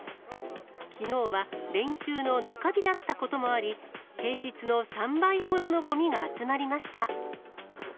きのうは連休の中日だったこともあり、平日の３倍ほどのごみが集まりました。